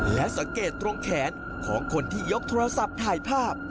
และสังเกตตรงแขนของคนที่ยกโทรศัพท์ถ่ายภาพ